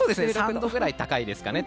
３度ぐらい高いですかね。